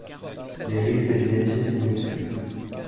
Les risques du métier sont multiples.